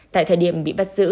tại thời điểm bị bắt giữ